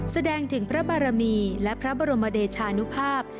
แสดงถึงพระบารมีและพระบรมเดชานุภาพ